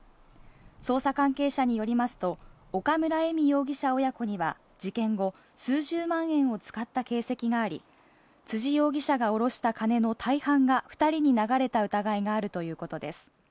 捜査関係者によりますと、岡村恵美容疑者親子には、事件後、数十万円を使った形跡があり、辻容疑者がおろした金の大半が２人に流れた疑いがあるということです。